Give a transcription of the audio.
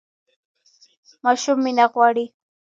ماشوم مینه غواړي